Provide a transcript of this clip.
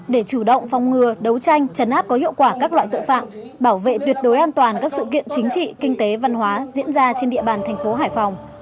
để chủ động phòng ngừa đấu tranh chấn áp có hiệu quả các loại tội phạm bảo vệ tuyệt đối an toàn các sự kiện chính trị kinh tế văn hóa diễn ra trên địa bàn thành phố hải phòng